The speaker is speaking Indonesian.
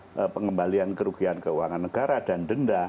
maka dalam hal pengembalian kerugian keuangan negara dan denda